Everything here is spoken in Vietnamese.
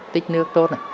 tích nước tốt